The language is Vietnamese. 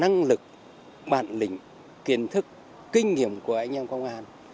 năng lực bản lĩnh kiến thức kinh nghiệm của anh em công an